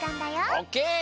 オッケー！